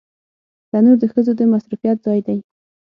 تنور د ښځو د مصروفيت ځای دی